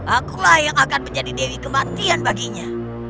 akulah yang akan menjadi dewi kematian baginya